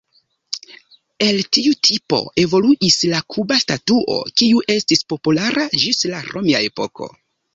El tiu tipo evoluis la kuba statuo, kiu estis populara ĝis la romia epoko.